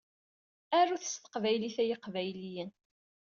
Arut s teqbaylit ay iqbayliyen!